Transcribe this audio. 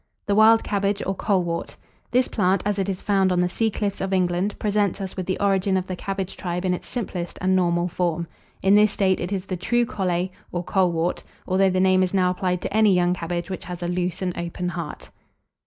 THE WILD CABBAGE, OR COLEWORT. This plant, as it is found on the sea cliffs of England, presents us with the origin of the cabbage tribe in its simplest and normal form. In this state it is the true Collet, or Colewort, although the name is now applied to any young cabbage which has a loose and open heart.